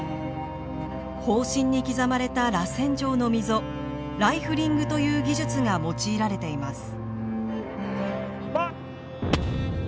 砲身に刻まれたらせん状の溝ライフリングという技術が用いられています。